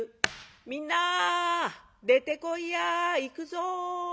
「みんな出てこいや行くぞ」。